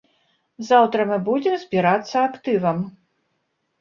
Заўтра мы будзем збірацца актывам.